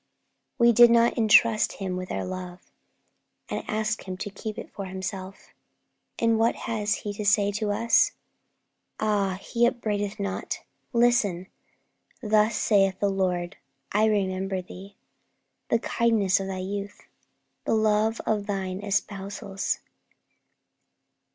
We did not entrust Him with our love, and ask Him to keep it for Himself. And what has He to say to us? Ah, He upbraideth not. Listen! 'Thus saith the Lord, I remember thee, the kindness of thy youth, the love of thine espousals.'